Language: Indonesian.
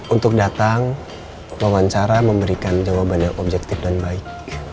untuk datang wawancara memberikan jawaban yang objektif dan baik